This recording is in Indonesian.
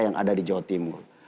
yang ada di jawa timur